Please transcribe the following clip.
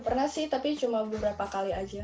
pernah sih tapi cuma beberapa kali aja